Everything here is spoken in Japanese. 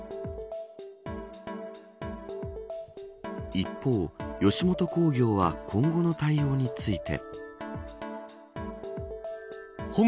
一方、吉本興業は今後の対応について。